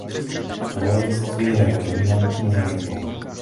Horolezectví je jeho dominantní zálibou.